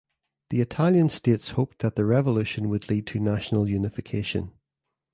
The Italian states hoped that the revolution would lead to national unification.